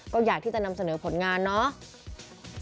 ก็อยากที่จะนำเสนอผลงานเนาะ